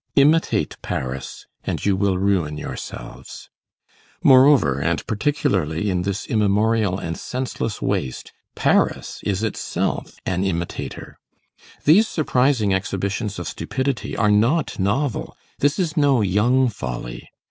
Imitate Paris and you will ruin yourselves. Moreover, and particularly in this immemorial and senseless waste, Paris is itself an imitator. These surprising exhibitions of stupidity are not novel; this is no young folly.